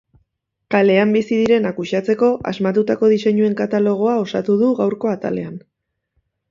Kalean bizi direnak uxatzeko asmatutako diseinuen katalogoa osatu du gaurko atalean.